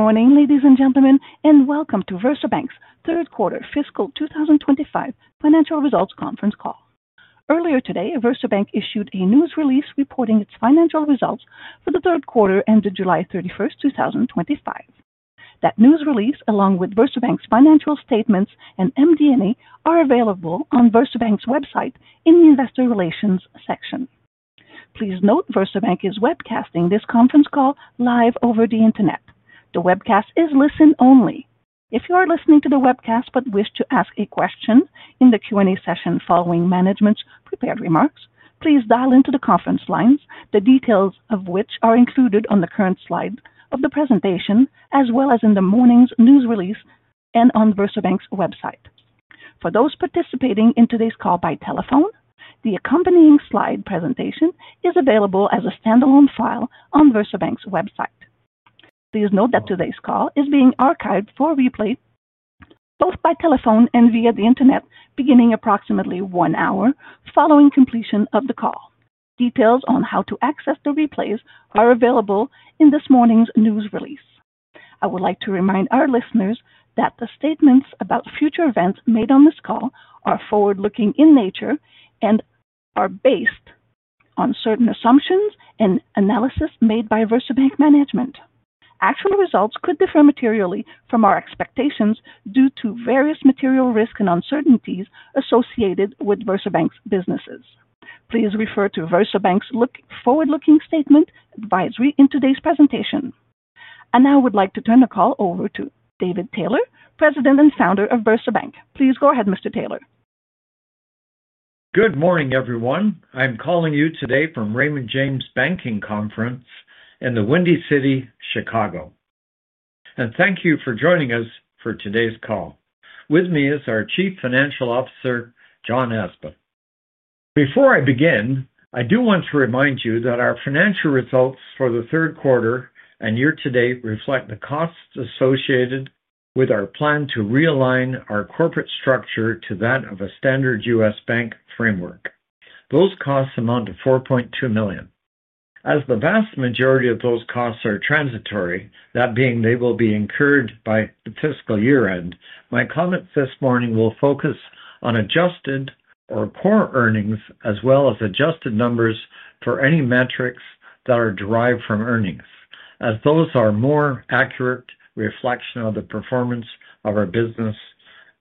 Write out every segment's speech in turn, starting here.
Morning, ladies and gentlemen, and welcome to VersaBank's Third Quarter Fiscal twenty twenty five Financial Results Conference Call. Earlier today, VersaBank issued a news release reporting its financial results for the third quarter ended 07/31/2025. That news release, along with VersaBank's financial statements and MD and A, are available on VersaBank's website in the Investor Relations section. Please note, VersaBank is webcasting this conference call live over the Internet. The webcast is listen only. If you are listening to the webcast, but wish to ask a question in the Q and A session following management's prepared remarks, please dial into the conference lines, the details of which are included on the current slide of the presentation as well as in the morning's news release and on VersaBank's website. For those participating in today's call by telephone, the accompanying slide presentation is available as a stand alone file on VersaBank's website. Please note that today's call is being archived for replay both by telephone and via the Internet beginning approximately one hour following completion of the call. Details on how to access the replays are available in this morning's news release. I would like to remind our listeners that the statements about future events made on this call are forward looking in nature and are based on certain assumptions and analysis made by VersaBank management. Actual results could differ materially from our expectations due to various material risks and uncertainties associated with VersaBank's businesses. Please refer to VersaBank's forward looking statement advisory in today's presentation. And now I would like to turn the call over to David Taylor, President and Founder of Bursa Bank. Please go ahead, mister Taylor. Good morning, everyone. I'm calling you today from Raymond James Banking Conference in the Windy City, Chicago, And thank you for joining us for today's call. With me is our Chief Financial Officer, John Aspin. Before I begin, I do want to remind you that our financial results for the third quarter and year to date reflect the costs associated with our plan to realign our corporate structure to that of a standard U. S. Bank framework. Those costs amount to 4,200,000.0 As the vast majority of those costs are transitory, that being they will be incurred by the fiscal year end, my comments this morning will focus on adjusted or core earnings as well as adjusted numbers for any metrics that are derived from earnings as those are more accurate reflection of the performance of our business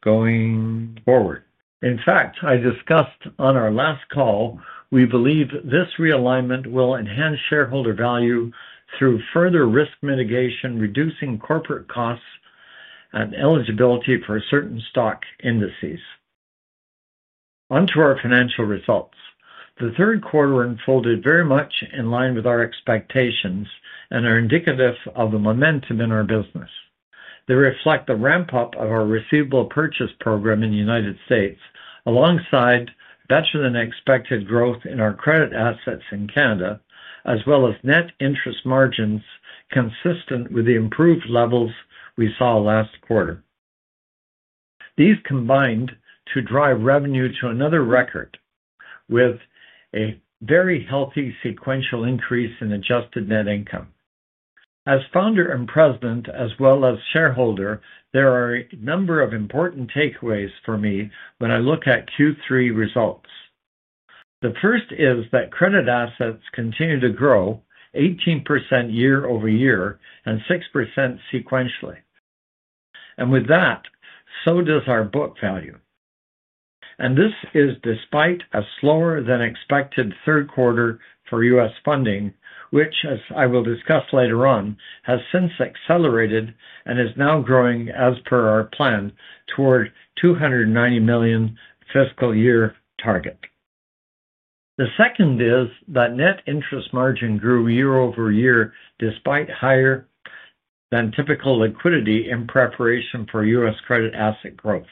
going forward. In fact, I discussed on our last call, we believe this realignment will enhance shareholder value through further risk mitigation, reducing corporate costs and eligibility for certain stock indices. Onto our financial results. The third quarter unfolded very much in line with our expectations and are indicative of the momentum in our business. They reflect the ramp up of our receivable purchase program in The United States alongside better than expected growth in our credit assets in Canada as well as net interest margins consistent with the improved levels we saw last quarter. These combined to drive revenue to another record with a very healthy sequential increase in adjusted net income. As founder and president as well as shareholder, there are a number of important takeaways for me when I look at Q3 results. The first is that credit assets continue to grow 18% year over year and 6% sequentially. And with that, so does our book value. And this is despite a slower than expected third quarter for US funding, which as I will discuss later on, has since accelerated and is now growing as per our plan toward $290,000,000 fiscal year target. The second is that net interest margin grew year over year despite higher than typical liquidity in preparation for U. S. Credit asset growth.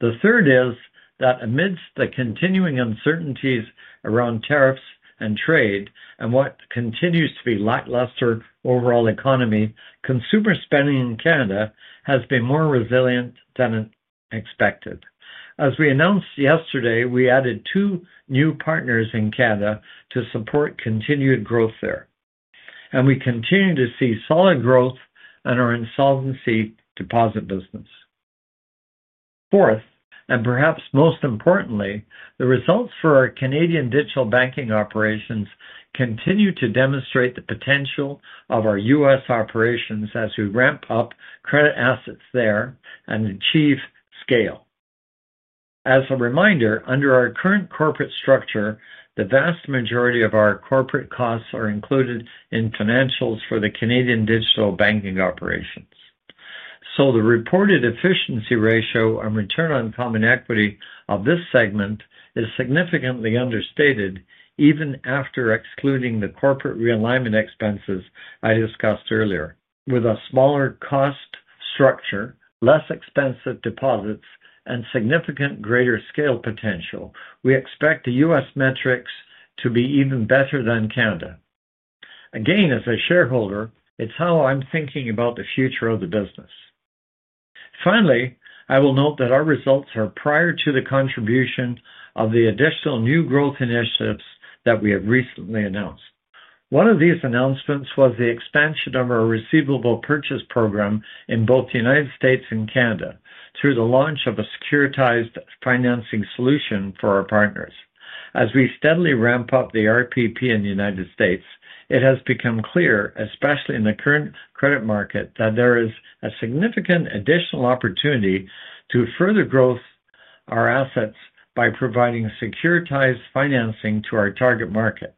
The third is that amidst the continuing uncertainties around tariffs and trade and what continues to be lackluster overall economy, consumer spending in Canada has been more resilient than expected. As we announced yesterday, we added two new partners in Canada to support continued growth there. And we continue to see solid growth in our insolvency deposit business. Fourth, and perhaps most importantly, the results for our Canadian digital banking operations continue to demonstrate the potential of our US operations as we ramp up credit assets there and achieve scale. As a reminder, under our current corporate structure, the vast majority of our corporate costs are included in financials for the Canadian digital banking operations. So the reported efficiency ratio on return on common equity of this segment is significantly understated even after excluding the corporate realignment expenses I discussed earlier. With a smaller cost structure, less expensive deposits, and significant greater scale potential, we expect The US metrics to be even better than Canada. Again, as a shareholder, it's how I'm thinking about the future of the business. Finally, I will note that our results are prior to the contribution of the additional new growth initiatives that we have recently announced. One of these announcements was the expansion of our receivable purchase program in both The United States and Canada through the launch of a securitized financing solution for our partners. As we steadily ramp up the RPP in The United States, it has become clear, especially in the current credit market, that there is a significant additional opportunity to further growth our assets by providing securitized financing to our target market,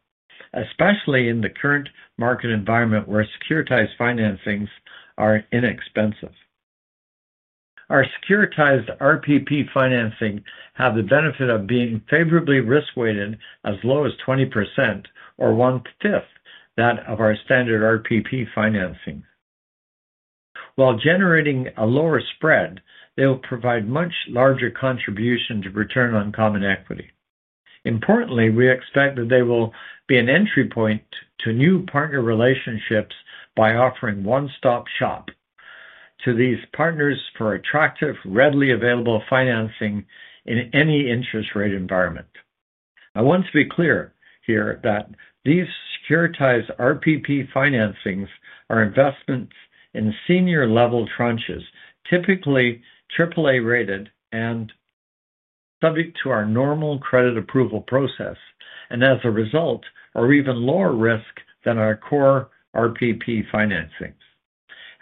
especially in the current market environment where securitized financings are inexpensive. Our securitized RPP financing have the benefit of being favorably risk weighted as low as 20% or one fifth that of our standard RPP financing. While generating a lower spread, they'll provide much larger contribution to return on common equity. Importantly, we expect that they will be an entry point to new partner relationships by offering one stop shop to these partners for attractive, readily available financing in any interest rate environment. I want to be clear here that these securitized RPP financings are investments in senior level tranches, typically AAA rated and subject to our normal credit approval process, and as a result, are even lower risk than our core RPP financings.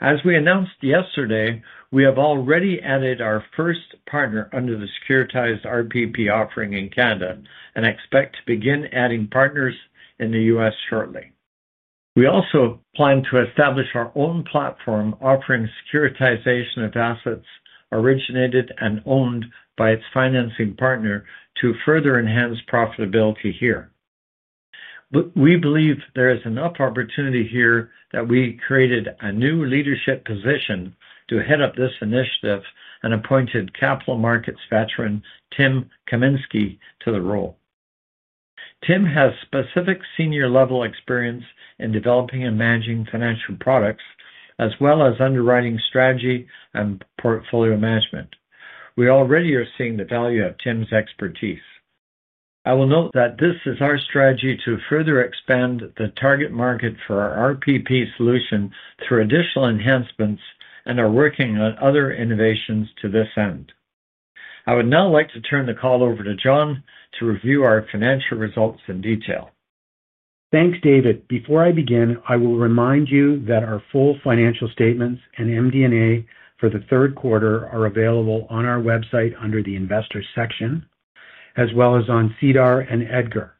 As we announced yesterday, we have already added our first partner under the securitized RPP offering in Canada and expect to begin adding partners in The US shortly. We also plan to establish our own platform offering securitization of assets originated and owned by its financing partner to further enhance profitability here. But we believe there is enough opportunity here that we created a new leadership position to head up this initiative and appointed capital markets veteran Tim Kaminski to the role. Tim has specific senior level experience in developing and managing financial products as well as underwriting strategy and portfolio management. We already are seeing the value of Tim's expertise. I will note that this is our strategy to further expand the target market for our RPP solution through additional enhancements and are working on other innovations to this end. I would now like to turn the call over to John to review our financial results in detail. Thanks, David. Before I begin, I will remind you that our full financial statements and MD and A for the third quarter are available on our website under the Investors section as well as on SEDAR and EDGAR.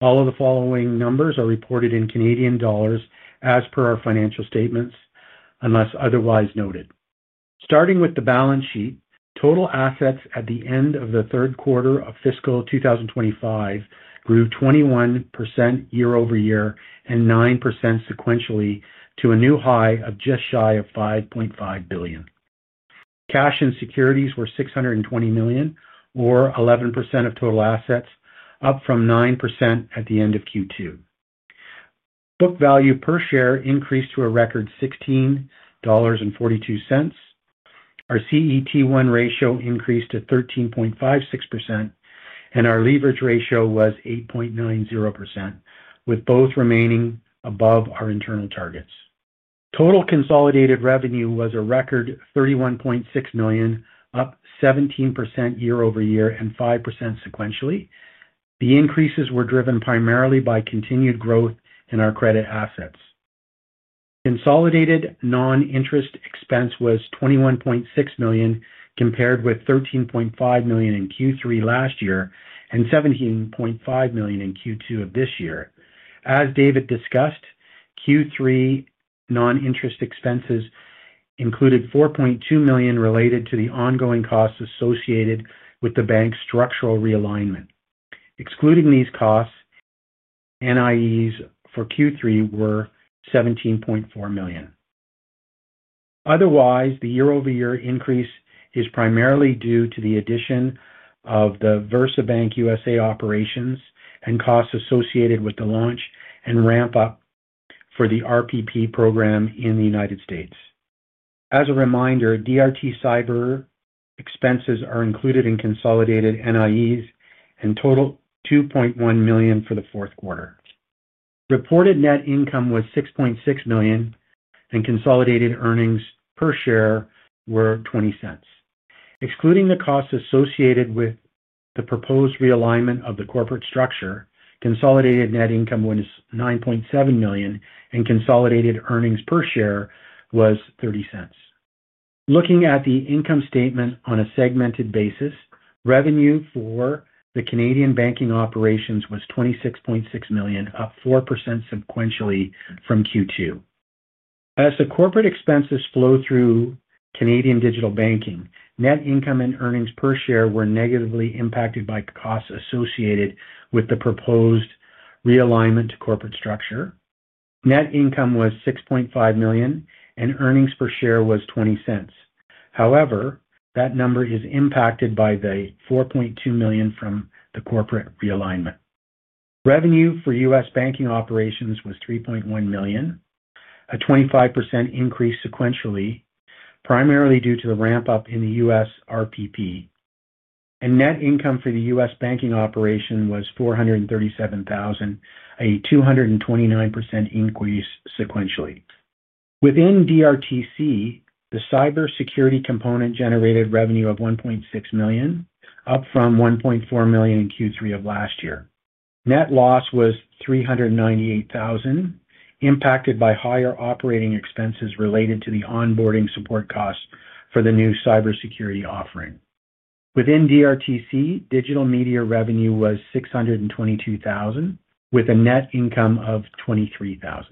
All of the following numbers are reported in Canadian dollars as per our financial statements unless otherwise noted. Starting with the balance sheet, total assets at the end of the 2025 grew 21% year over year and 9% sequentially to a new high of just shy of 5,500,000,000.0 Cash and securities were $620,000,000 or 11% of total assets, up from 9% at the end of Q2. Book value per share increased to a record $16.42 Our CET1 ratio increased to 13.56% and our leverage ratio was 8.9% with both remaining above our internal targets. Total consolidated revenue was a record $31,600,000 up 17% year over year and 5% sequentially. The increases were driven primarily by continued growth in our credit assets. Consolidated non interest expense was $21,600,000 compared with $13,500,000 in Q3 last year and $17,500,000 in Q2 of this year. As David discussed, Q3 non interest expenses included $4,200,000 related to the ongoing costs associated with the bank's structural realignment. Excluding these costs, NIEs for Q3 were 17,400,000.0 Otherwise, the year over year increase is primarily due to the addition of the VersaBank USA operations and costs associated with the launch and ramp up for the RPP program in The United States. As a reminder, DRT Cyber expenses are included in consolidated NIEs and totaled $2,100,000 for the fourth quarter. Reported net income was $6,600,000 and consolidated earnings per share were $0.20 Excluding the costs associated with the proposed realignment of the corporate structure, consolidated net income was $9,700,000 and consolidated earnings per share was $0.30 Looking at the income statement on a segmented basis, revenue for the Canadian Banking operations was $26,600,000 up 4% sequentially from Q2. As the corporate expenses flow through Canadian Digital Banking, net income and earnings per share were negatively impacted by costs associated with the proposed realignment to corporate structure. Net income was $6,500,000 and earnings per share was $0.20 However, that number is impacted by the $4,200,000 from the corporate realignment. Revenue for U. S. Banking operations was $3,100,000 a 25% increase sequentially, primarily due to the ramp up in The U. S. RPP. And net income for The U. S. Banking operation was $437,000 a 229% increase sequentially. Within DRTC, the cybersecurity component generated revenue of $1,600,000 up from $1,400,000 in Q3 of last year. Net loss was $398,000 impacted by higher operating expenses related to the onboarding support costs for the new cybersecurity offering. Within DRTC, Digital Media revenue was $622,000 with a net income of $23,000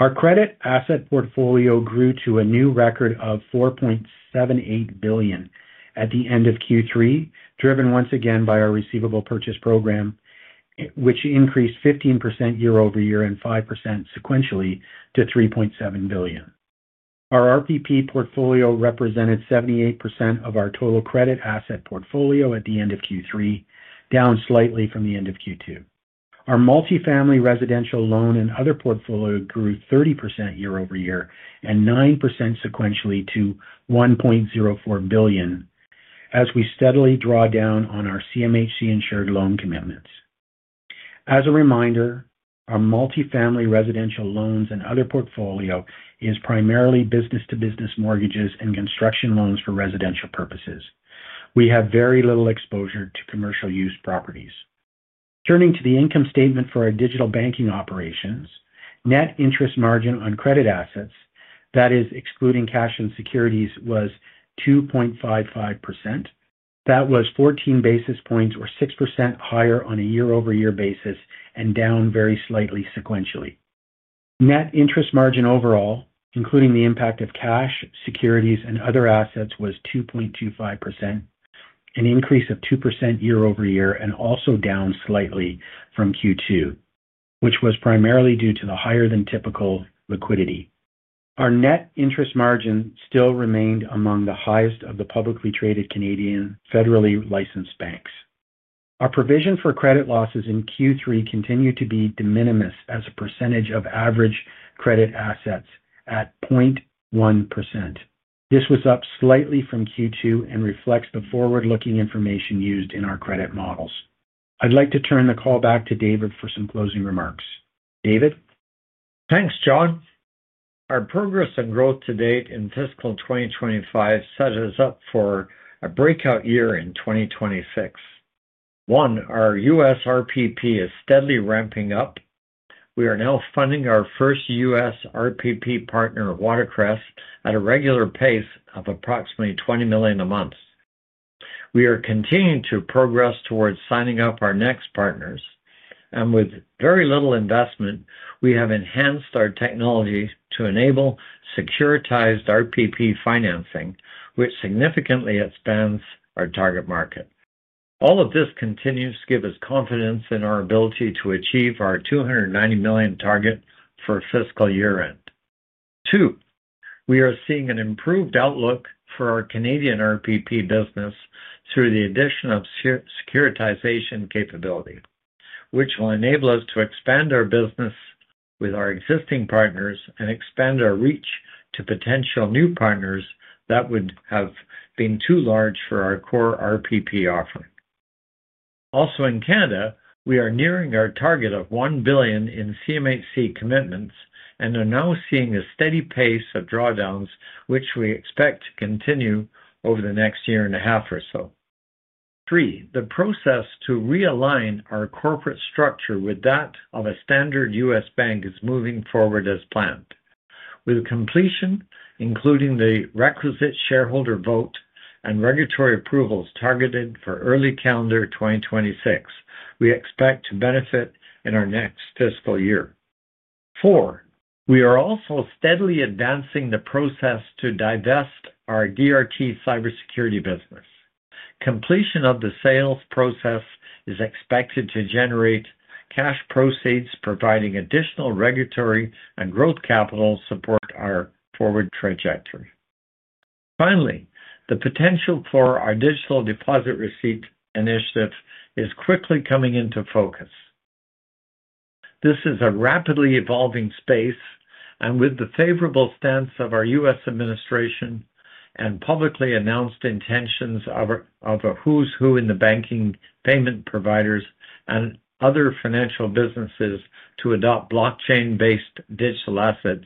Our credit asset portfolio grew to a new record of $4,780,000,000 at the end of Q3, driven once again by our receivable purchase program, which increased 15% year over year and 5% sequentially to $3,700,000,000 Our RPP portfolio represented 78% of our total credit asset portfolio at the end of Q3, down slightly from the end of Q2. Our multifamily residential loan and other portfolio grew 30% year over year and 9% sequentially to $1,040,000,000 as we steadily draw down on our CMHC insured loan commitments. As a reminder, our multifamily residential loans and other portfolio is primarily business to business mortgages and construction loans for residential purposes. We have very little exposure to commercial use properties. Turning to the income statement for our digital banking operations, net interest margin on credit assets that is excluding cash and securities was 2.55%. That was 14 basis points or 6% higher on a year over year basis and down very slightly sequentially. Net interest margin overall, including the impact of cash, securities and other assets was 2.25%, an increase of 2% year over year and also down slightly from Q2, which was primarily due to the higher than typical liquidity. Our net interest margin still remained among the highest of the publicly traded Canadian federally licensed banks. Our provision for credit losses in Q3 continued to be de minimis as a percentage of average credit assets at 0.1%. This was up slightly from Q2 and reflects the forward looking information used in our credit models. I'd like to turn the call back to David for some closing remarks. David? Thanks, John. Our progress and growth to date in fiscal twenty twenty five set us up for a breakout year in 2026. One, our U. S. RPP is steadily ramping up. We are now funding our first U. S. RPP partner, Watercrest, at a regular pace of approximately $20,000,000 a month. We are continuing to progress towards signing up our next partners. And with very little investment, we have enhanced our technology to enable securitized RPP financing, which significantly expands our target market. All of this continues to give us confidence in our ability to achieve our $290,000,000 target for fiscal year end. Two, we are seeing an improved outlook for our Canadian RPP business through the addition of securitization capability, which will enable us to expand our business with our existing partners and expand our reach to potential new partners that would have been too large for our core RPP offering. Also in Canada, we are nearing our target of 1,000,000,000 in CMHC commitments and are now seeing a steady pace of drawdowns which we expect to continue over the next year and a half or so. Three, the process to realign our corporate structure with that of a standard US bank is moving forward as planned. With completion, including the requisite shareholder vote and regulatory approvals targeted for early calendar twenty twenty six, we expect to benefit in our next fiscal year. Four, we are also steadily advancing the process to divest our DRT cybersecurity business. Completion of the sales process is expected to generate cash proceeds providing additional regulatory and growth capital support our forward trajectory. Finally, the potential for our digital deposit receipt initiative is quickly coming into focus. This is a rapidly evolving space and with the favorable stance of our US administration and publicly announced intentions of a who's who in the banking payment providers and other financial businesses to adopt blockchain based digital assets,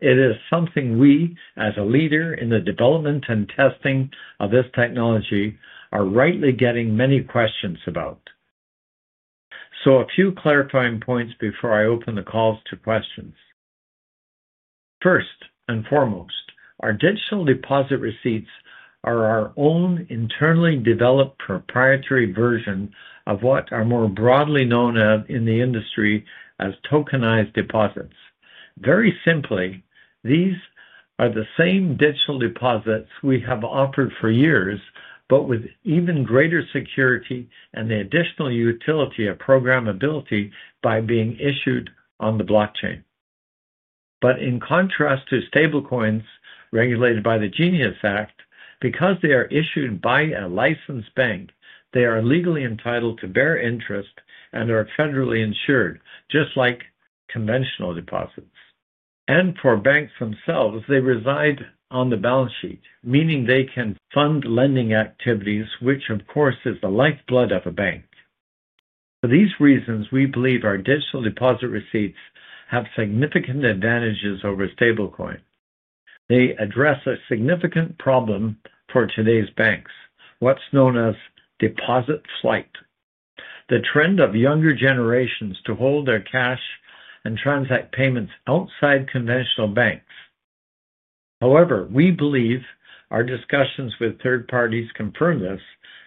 it is something we, as a leader in the development and testing of this technology, are rightly getting many questions about. So a few clarifying points before I open the call to questions. First and foremost, our digital deposit receipts are our own internally developed proprietary version of what are more broadly known in the industry as tokenized deposits. Very simply, these are the same digital deposits we have offered for years, but with even greater security and the additional utility of programmability by being issued on the blockchain. But in contrast to stablecoins regulated by the Genius Act, because they are issued by a licensed bank, they are legally entitled to bear interest and are federally insured just like conventional deposits. And for banks themselves, they reside on the balance sheet, meaning they can fund lending activities which of course is the lifeblood of a bank. For these reasons, we believe our digital deposit receipts have significant advantages over stablecoin. They address a significant problem for today's banks, what's known as deposit flight, the trend of younger generations to hold their cash and transact payments outside conventional banks. However, we believe our discussions with third parties confirm this,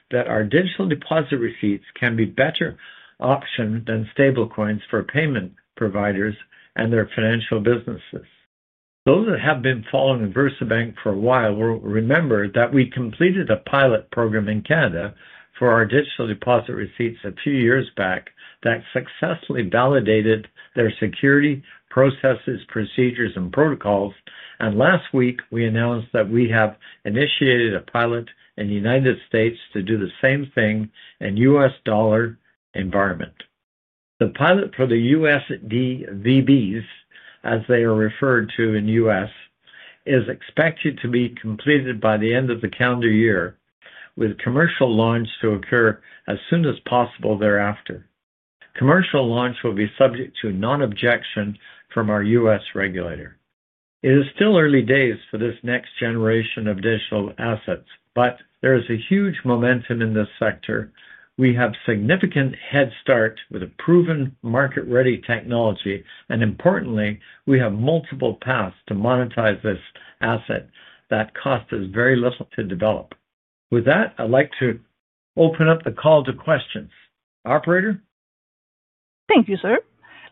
that our digital deposit receipts can be better option than stablecoins for payment providers and their financial businesses. Those that have been following VersaBank for a while will remember that we completed a pilot program in Canada for our digital deposit receipts a few years back that successfully validated their security processes, procedures and protocols. And last week we announced that we have initiated a pilot in The United States to do the same thing in US dollar environment. The pilot for the USDVBs, as they are referred to in US, is expected to be completed by the end of the calendar year with commercial launch to occur as soon as possible thereafter. Commercial launch will be subject to non objection from our US regulator. It is still early days for this next generation of digital assets, but there is a huge momentum in this sector. We have significant head start with a proven market ready technology, And importantly, we have multiple paths to monetize this asset that cost us very little to develop. With that, I'd like to open up the call to questions. Operator? Thank you, sir.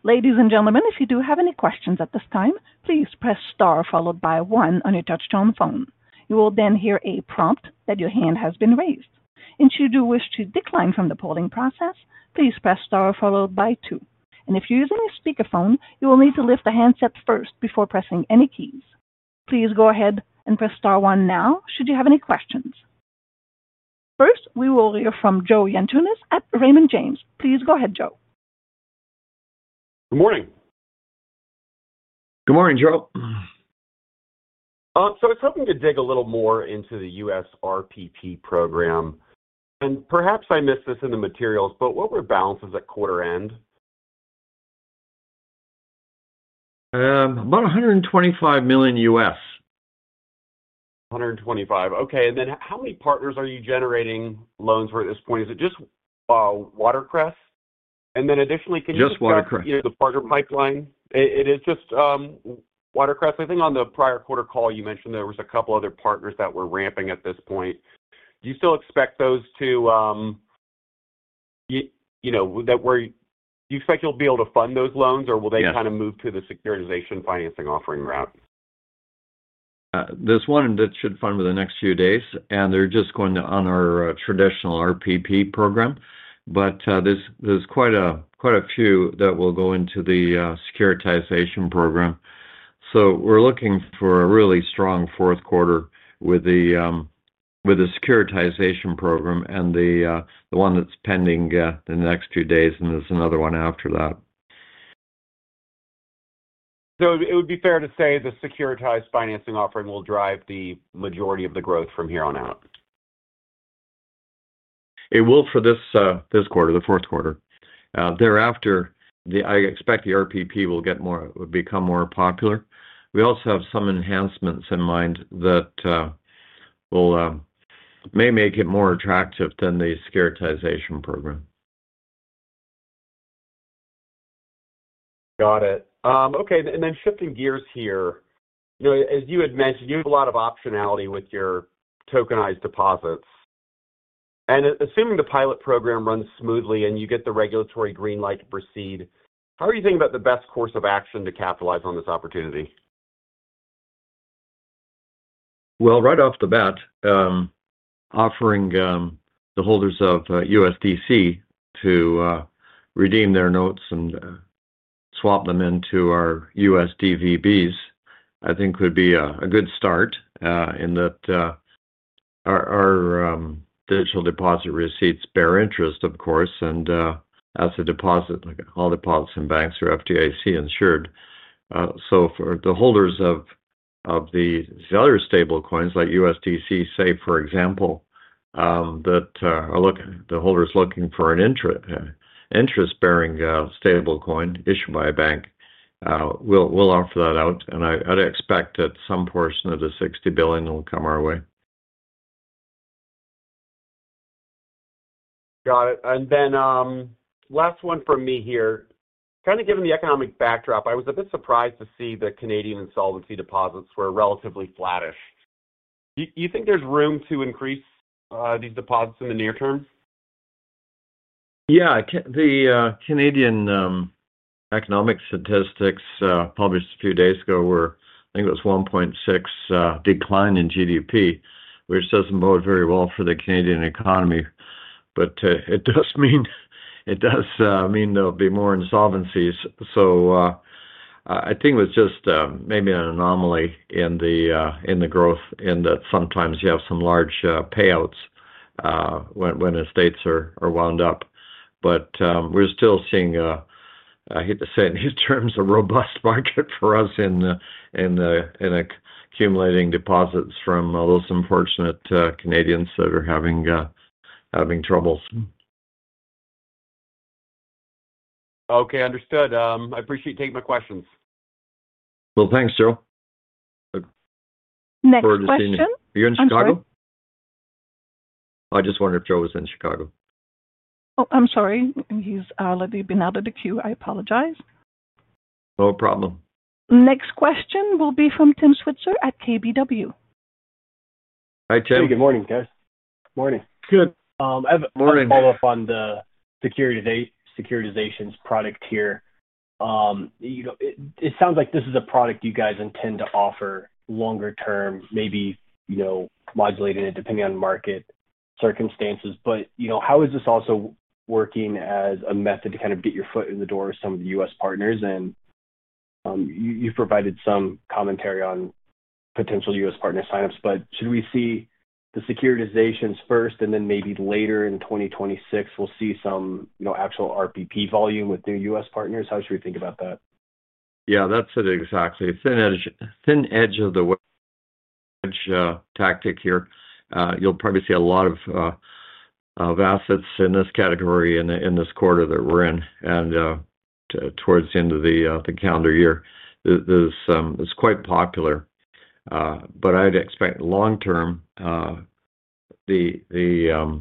Ladies and gentlemen, if you do have any questions at this time, please press star followed by one on your touch tone phone. You will then hear a prompt that your hand has been raised. And should wish to decline from the polling process, please press star followed by 2. And if you're using a speakerphone, you will need to lift the handset first before pressing any keys. Please go ahead and press star one now should you have any questions. First, we will hear from Joe Yantunis at Raymond James. Please go ahead, Joe. Good morning. Good morning, Joe. So I was hoping to dig a little more into the USRPP program. And perhaps I missed this in the materials, but what were balances at quarter end? About 125,000,000 US. 125. Okay. And then how many partners are you generating loans for this point? Is it just, WaterCrest? And then additionally, can you just track, you know, the partner pipeline? It it is just, WaterCrest. I think on the prior quarter call, you mentioned there was a couple other partners that were ramping at this point. Do you still expect those to you you know, would that worry do you expect you'll be able to fund those loans, or will they kinda move to the securitization financing offering route? There's one that should fund within the next few days, and they're just going to honor our traditional RPP program. But there's there's quite a quite a few that will go into the securitization program. So we're looking for a really strong fourth quarter with the with the securitization program and the the one that's pending the next two days and there's another one after that. So it would be fair to say the securitized financing offering will drive the majority of the growth from here on out? It will for this this quarter, the fourth quarter. Thereafter, the I expect the RPP will get more will become more popular. We also have some enhancements in mind that will may make it more attractive than the securitization program. Got it. Okay. And then shifting gears here. You know, as you had mentioned, you have a lot of optionality with your tokenized deposits. And assuming the pilot program runs smoothly and you get the regulatory green light to proceed, how are you thinking about the best course of action to capitalize on this opportunity? Well, right off the bat, offering the holders of USDC to redeem their notes and swap them into our USDVBs, I think, could be a a good start in that our our digital deposit receipts bear interest, of course, and as a deposit, like all the policy banks are FDIC insured. So for the holders of of the the other stable coins like USDC, say for example, that are looking the holders looking for an interest bearing stable coin issued by a bank, we'll we'll offer that out. And I I'd expect that some portion of the 60,000,000,000 will come our way. Got it. And then last one for me here. Kinda given the economic backdrop, I was a bit surprised to see the Canadian insolvency deposits were relatively flattish. Do you think there's room to increase, these deposits in the near term? Yeah. The Canadian economic statistics published a few days ago were I think it was 1.6 decline in GDP, which doesn't bode very well for the Canadian economy. But it does mean it does mean there'll be more insolvencies. So I think it was just maybe an anomaly in the in the growth and that sometimes you have some large payouts when when the states are are wound up. But we're still seeing, I hate to say it in his terms, a robust market for us in in accumulating deposits from those unfortunate Canadians that are having having troubles. Okay. Understood. I appreciate taking my questions. Well, thanks, Joe. Next question? Are you in Chicago? I just wonder if Joe was in Chicago. Oh, I'm sorry. He's already been out of the queue. I apologize. No problem. Next question will be from Tim Switzer at KBW. Hi, Tim. Hey. Good morning, guys. Good morning. Good. Have follow-up on the security date securitizations product here. You know, it it sounds like this is a product you guys intend to offer longer term, maybe, you know, modulating it depending on market circumstances. But, you know, how is this also working as a method to kind of get your foot in the door with some of The US partners? And, you you provided some commentary on potential US partner sign ups. But should we see the securitizations first and then maybe later in 2026, we'll see some, you know, actual RPP volume with new US partners? How should we think about that? Yeah. That's it exactly. Thin edge thin edge of the tactic here. You'll probably see a lot of of assets in this category in in this quarter that we're in and towards the end of the the calendar year. This quite popular, but I'd expect long term, the the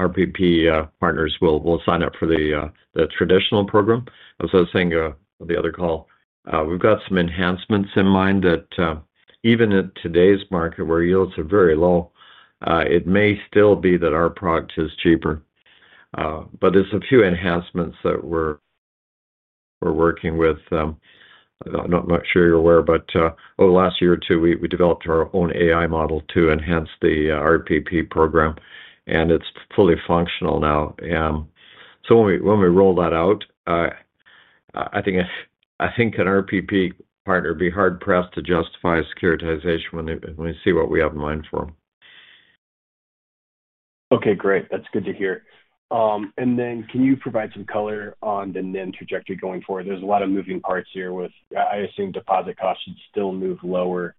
RPP partners will will sign up for the the traditional program. As I was saying on the other call, we've got some enhancements in mind that even in today's market where yields are very low, it may still be that our product is cheaper. But there's a few enhancements that we're we're working with. I'm not sure you're aware, but over the last year or two, we we developed our own AI model to enhance the RPP program, and it's fully functional now. So when we when we roll that out, I think I think an RPP partner be hard pressed to justify securitization when they when they see what we have in mind for them. Okay. Great. That's good to hear. And then can you provide some color on the NIM trajectory going forward? There's a lot of moving parts here with I assume deposit costs should still move lower,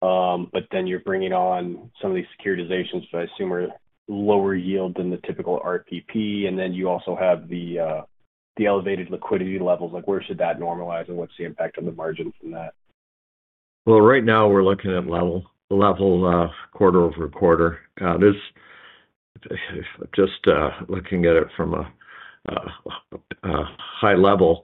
but then you're bringing on some of these securitizations that I assume are lower yield than the typical RPP. And then you also have the elevated liquidity levels, like where should that normalize and what's the impact on the margin from that? Well, right now, we're looking at level quarter over quarter. Just looking at it from a high level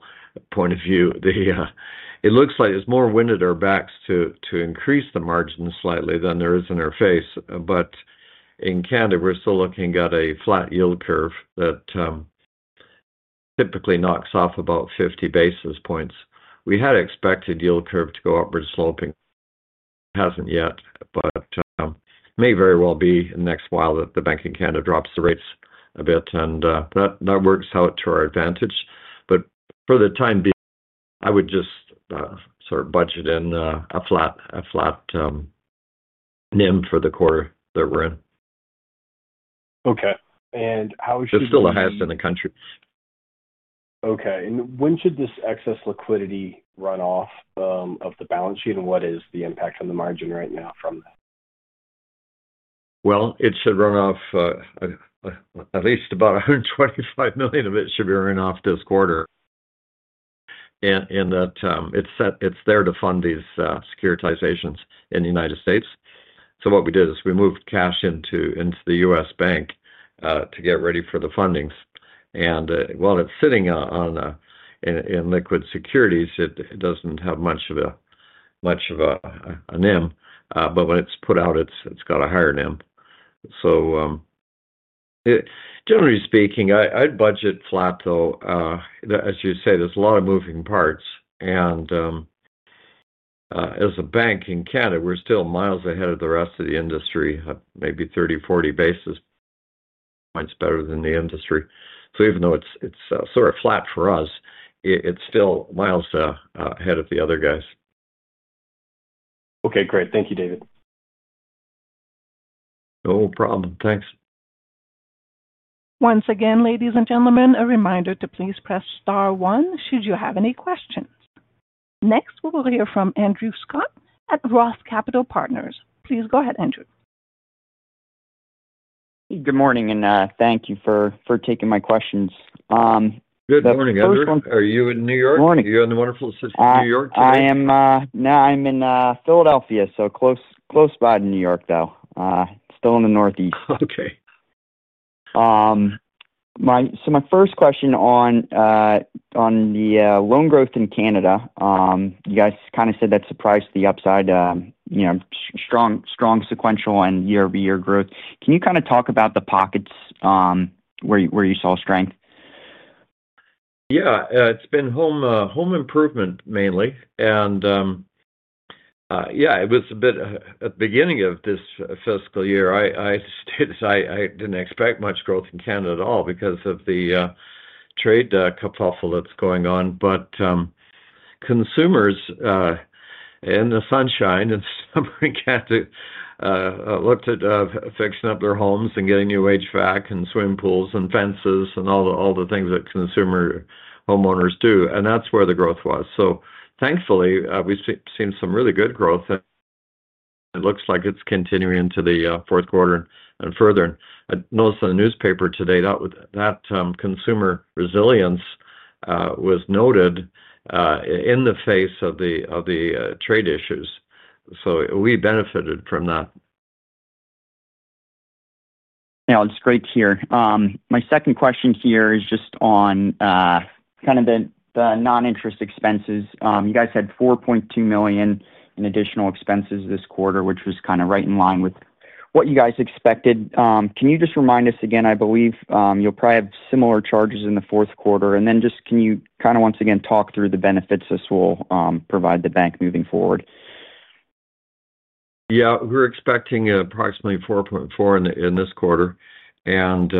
point of view, it looks like there's more wind at our backs to increase the margins slightly than there is in our face. But in Canada, we're still looking at a flat yield curve that typically knocks off about 50 basis points. We had expected yield curve to go upward sloping, hasn't yet, but may very well be in the next while that the Bank of Canada drops the rates a bit, and that that works out to our advantage. But for the time I would just sort of budget in a flat a flat NIM for the quarter that we're in. Okay. And how should This is still the highest in the country. And when should this excess liquidity run off, of the balance sheet? What is the impact on the margin right now from Well, it should run off at least about a 125,000,000 of it should be running off this quarter. And and that it's set it's there to fund these securitizations in The United States. So what we did is we moved cash into into the US Bank, to get ready for the fundings. And, while it's sitting on in in liquid securities, it it doesn't have much of a much of a NIM. But when it's put out, it's it's got a higher NIM. So generally speaking, I I budget flat though. As you say, there's a lot of moving parts. And as a bank in Canada, we're still miles ahead of the rest of the industry, maybe thirty, forty basis points better than the industry. So even though it's it's sort of flat for us, it's still miles ahead of the other guys. Okay. Great. Thank you, David. No problem. Thanks. Next, we will hear from Andrew Scott at Roth Capital Partners. Please go ahead, Andrew. Good morning, and thank you for for taking my questions. Good morning, Andrew. Are you in New York? Morning. You're the wonderful city of New York today? No. I'm in Philadelphia, so close close by to New York, though. Still in the Northeast. Okay. My so my first question on on the loan growth in Canada. You guys kind of said that surprised the upside, strong sequential and year over year growth. Can you kind of talk about the pockets where you saw strength? Yeah. It's been home home improvement mainly. And yeah. It was a bit at the beginning of this fiscal year, I I I didn't expect much growth in Canada at all because of the trade that's going on. But consumers in the sunshine and summer look to fix up their homes and getting new HVAC and swimming pools and fences and all the things that consumer homeowners do, and that's where the growth was. So thankfully, we've seen some really good growth. It looks like it's continuing into the fourth quarter and further. Noticed in the newspaper today that that consumer resilience was noted in the face of the of the trade issues. So we benefited from that. Yeah. It's great to hear. My second question here is just on kind of the non interest expenses. You guys had $4,200,000 in additional expenses this quarter, which was kind of right in line with what you guys expected. Can you just remind us again, I believe you'll probably have similar charges in the fourth quarter? And then just can you kinda once again talk through the benefits this will, provide the bank moving forward? Yeah. We're expecting approximately 4.4 in in this quarter. And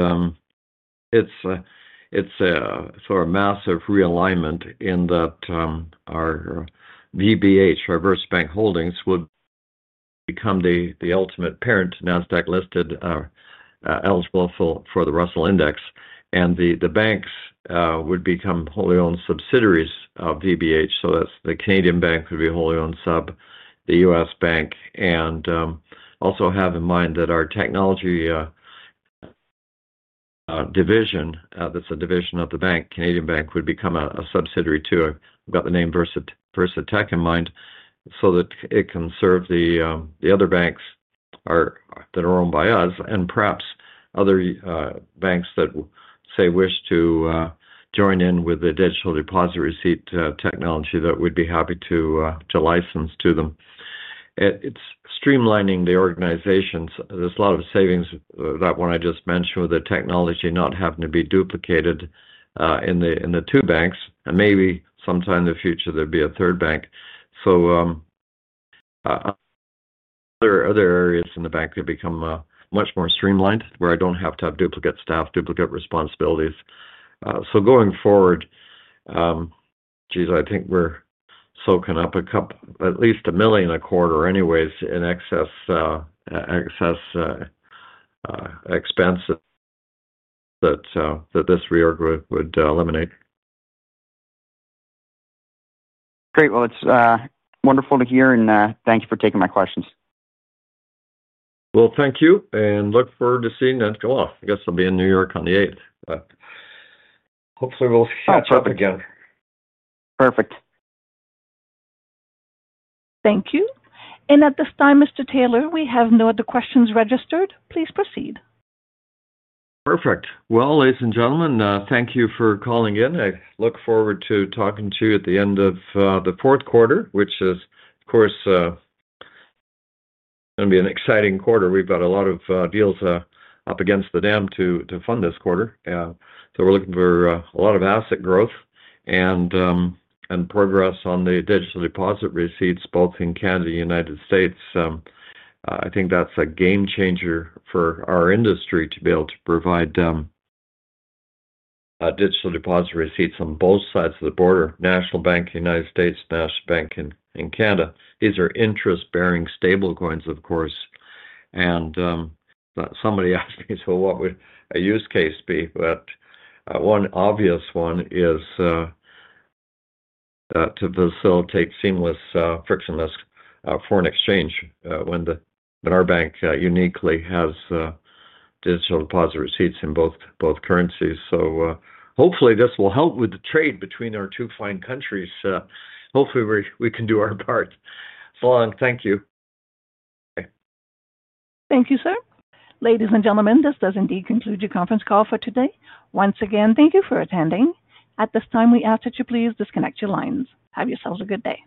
it's it's sort of massive realignment in that our VBH, reverse bank holdings would become the the ultimate parent NASDAQ listed eligible for for the Russell Index. And the the banks would become wholly owned subsidiaries of VBH. So that's the Canadian bank would be wholly owned sub, the US bank, and also have in mind that our technology division, that's a division of the bank, Canadian Bank, would become a a subsidiary to it. We've got the name Versa Versa Tech in mind so that it can serve the the other banks or that are owned by us and perhaps other banks that say wish to join in with the digital deposit receipt technology that we'd be happy to to license to them. It's streamlining the organizations. There's a lot of savings, that one I just mentioned with the technology not having to be duplicated in the in the two banks, and maybe sometime in the future there'd be a third bank. So there are other areas in the bank that become much more streamlined where I don't have to have duplicate staff, duplicate responsibilities. So going forward, jeez, I think we're soaking up a cup at least a million a quarter anyways in excess excess expense that that this reorg would would eliminate. Great. Well, it's wonderful to hear, and thanks for taking my questions. Well, thank you, and look forward to seeing that go off. I guess I'll be in New York on the eighth, but, hopefully, we'll catch up again. Perfect. Thank you. And at this time, mister Taylor, we have no other questions registered. Please proceed. Perfect. Well, ladies and gentlemen, thank you for calling in. I look forward to talking to you at the end of, the fourth quarter, which is, of course, gonna be an exciting quarter. We've got a lot of deals up against the dam to to fund this quarter. So we're looking for a lot of asset growth and and progress on the digital deposit receipts both in Canada and United States. I think that's a game changer for our industry to be able to provide digital deposit receipts on both sides of the border, National Bank United States, National Bank in in Canada. These are interest bearing stable coins, of course. And somebody asked me, so what would a use case be? But one obvious one is to facilitate seamless, frictionless foreign exchange when the when our bank uniquely has digital deposit receipts in both both currencies. So hopefully, this will help with the trade between our two fine countries. Hopefully, we we can do our part. So long. Thank you. Thank you, sir. Ladies and gentlemen, this does indeed conclude your conference call for today. Once again, thank you for attending. At this time, we ask that you please disconnect your lines. Have yourselves a good day.